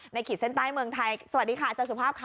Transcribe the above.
ในขีดเซ็นต์ใต้เมืองไทยสวัสดีค่ะเจ้าสุภาพค่ะ